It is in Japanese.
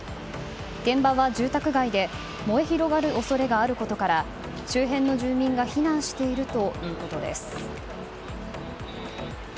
現場は住宅街で燃え広がる恐れがあることから周辺の住民が避難しているということです。